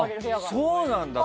そうなんだ。